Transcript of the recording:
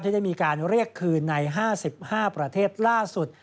ได้มีการเรียกคืนใน๕๕ประเทศล่าสุด